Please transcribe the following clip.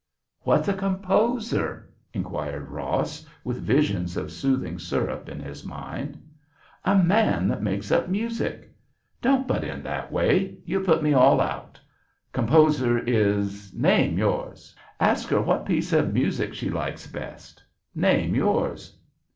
'" "What's a composer?" inquired Ross, with visions of soothing syrup in his mind. "A man that makes up music. Don't butt in that way; you put me all out—''composer is. Name yours. Ask her what piece of music she likes best. Name yours.